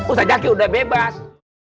ustadz jaki udah bebas